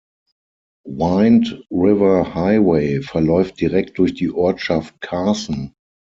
Wind River Highway verläuft direkt durch die Ortschaft Carson.